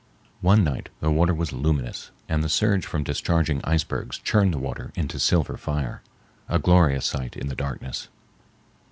One night the water was luminous and the surge from discharging icebergs churned the water into silver fire, a glorious sight in the darkness.